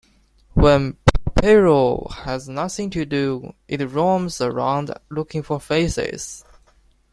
When PaPeRo has nothing to do, it roams around looking for faces.